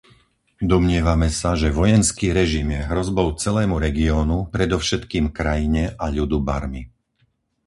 Domnievame sa, že vojenský režim je hrozbou celému regiónu, predovšetkým krajine a ľudu Barmy.